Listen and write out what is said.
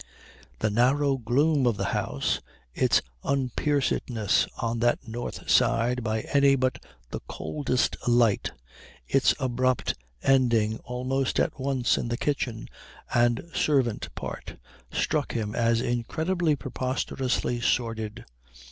The narrow gloom of the house, its unpiercedness on that north side by any but the coldest light, its abrupt ending almost at once in the kitchen and servant part, struck him as incredibly, preposterously sordid.